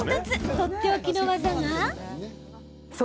とっておきの技が。